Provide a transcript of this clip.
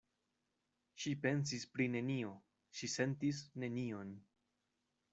Ŝi pensis pri nenio, ŝi sentis nenion.